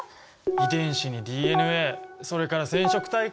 遺伝子にＤＮＡそれから染色体かあ。